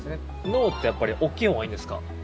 脳ってやっぱり大きいほうがいいんですか？